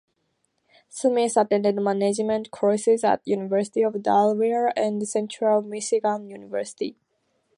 Smith attended management courses at the University of Delaware and Central Michigan University.